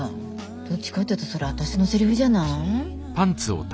どっちかっていうとそれ私のセリフじゃない？